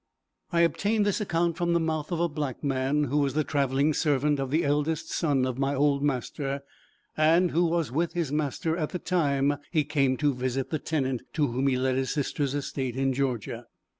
I obtained this account from the mouth of a black man, who was the traveling servant of the eldest son of my old master, and who was with his master at the time he came to visit the tenant, to whom he let his sister's estate in Georgia.